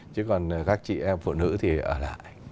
chứ còn các chị em phụ nữ thì ở lại